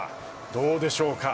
どうでしょうか。